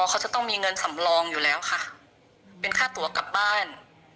เขาจะต้องมีเงินสำรองอยู่แล้วค่ะเป็นค่าตัวกลับบ้าน